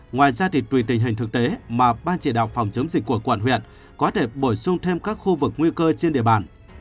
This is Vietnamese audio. ngoài ra thì tùy tình hình thực tế mà ban chỉ đạo phòng chống dịch của quận huyện có thể bổ sung thêm các khu vực nguy cơ trên địa bàn